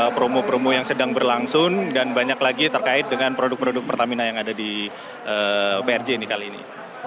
promo promo yang sedang berlangsung dan banyak lagi terkait dengan produk produk pertamina yang ada di prj ini kali ini